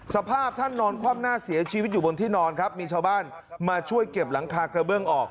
สภาพท่านนอนคว่ำหน้าเสียชีวิตอยู่บนที่นอนครับมีชาวบ้านมาช่วยเก็บหลังคากระเบื้องออก